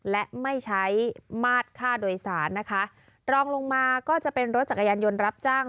และไม่ใช้มาตรค่าโดยสารนะคะรองลงมาก็จะเป็นรถจักรยานยนต์รับจ้าง